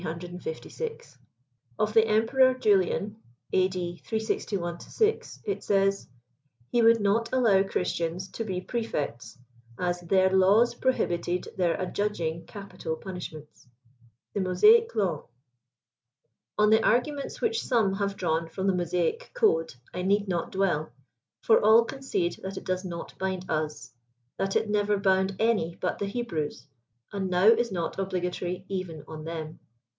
J Of the Emperor Julian (A. D. 361 6) it says, <* He would not allow Christians to be prae fects, as their laws prohibited their adjudging capital punishments. THE MOSAIC LAW. On the arguments which some have drawn from the Mosaic code I need not dwell, for all concede that it does not bind us; that it never bound any but the Hebrews, and now is not obii gatorv even on them.